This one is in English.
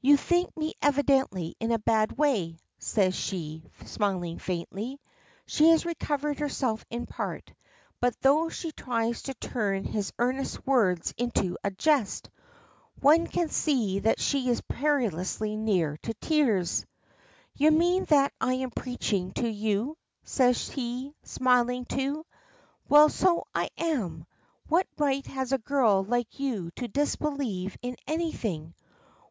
"You think me evidently in a bad way," says she, smiling faintly. She has recovered herself in part, but though she tries to turn his earnest words into a jest, one can see that she is perilously near to tears. "You mean that I am preaching to you," says he, smiling too. "Well, so I am. What right has a girl like you to disbelieve in anything?